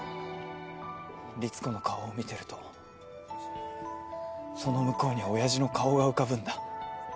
リツコの顔を見てるとその向こうに親父の顔が浮かぶんだ。